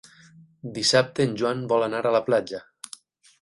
Dissabte en Joan vol anar a la platja.